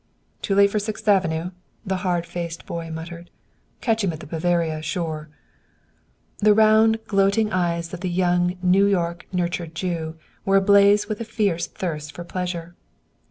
"Too late for Sixth Avenue!" the hard faced boy muttered. "Catch him at 'the Bavaria,' sure." The round, gloating eyes of the young New York nurtured Jew were ablaze with a fierce thirst for pleasure.